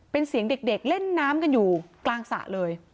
เป็นเสียงเด็กเล่นน้ำกันอยู่กลางสระเลย